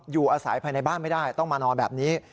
อยู่อาศัยภายในบ้านไม่ได้ต้องมานอนแบบนี้